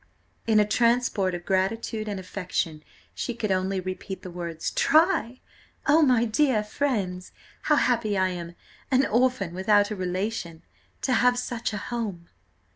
in a transport of gratitude and affection she could only repeat the words "Try! oh, my dear friends, how happy I am, an orphan, without a relation, to have such a home."